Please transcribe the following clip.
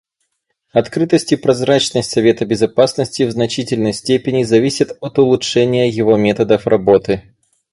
Открытость и прозрачность Совета Безопасности в значительной степени зависят от улучшения его методов работы.